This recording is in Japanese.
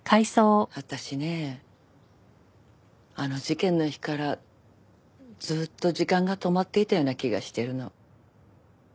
私ねあの事件の日からずっと時間が止まっていたような気がしているの。